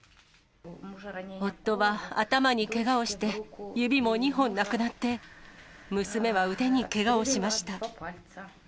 夫は頭にけがをして、指も２本なくなって、娘は腕にけがをしました。